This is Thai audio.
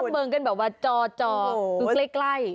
เมืองกันแบบว่าจอคือใกล้